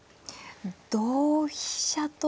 同飛車と。